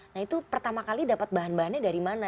nah itu pertama kali dapat bahan bahannya dari mana